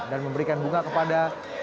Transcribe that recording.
dan memberikan bunga kepada